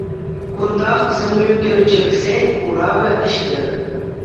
Кунтах сӑнӳкерчӗксен куравӗ ӗҫлерӗ.